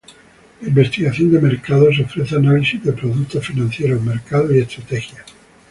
La investigación de mercados ofrece análisis de productos financieros, mercados y estrategias.